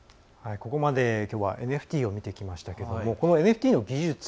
ここまできょうはＮＦＴを見ていきましたけどこのＮＦＴの技術